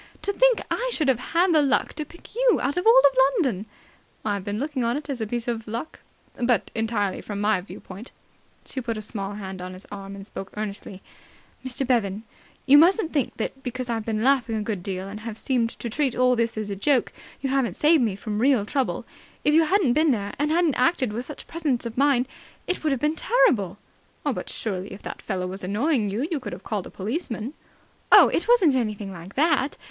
To think I should have had the luck to pick you out of all London!" "I've been looking on it as a piece of luck but entirely from my viewpoint." She put a small hand on his arm, and spoke earnestly. "Mr. Bevan, you mustn't think that, because I've been laughing a good deal and have seemed to treat all this as a joke, you haven't saved me from real trouble. If you hadn't been there and hadn't acted with such presence of mind, it would have been terrible!" "But surely, if that fellow was annoying you, you could have called a policeman?" "Oh, it wasn't anything like that.